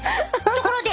ところで！